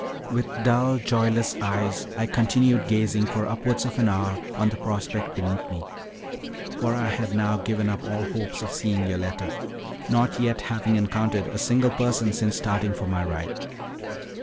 With dull, joyless eyes I continued gazing for upwards of an hour on the prospect beneath me; for I had now given up all hopes of seeing Yoletta, not yet having encountered a single person since starting for my ride.